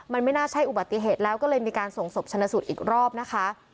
มันไม่น่าใช่อุบัติเหตุแล้วก็เลยมีการส่งศพชนะสูตรอีกรอบนะคะ